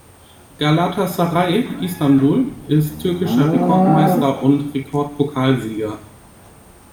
Galatasaray Istanbul ist türkischer Rekordmeister und Rekordpokalsieger.